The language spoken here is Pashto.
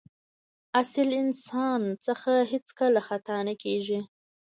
اصیل انسان څخه هېڅکله خطا نه کېږي.